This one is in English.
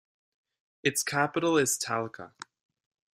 Its capital is Talca.